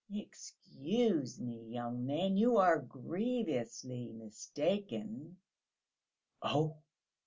"Excuse me, young man, you are grievously mistaken...." "Oh!"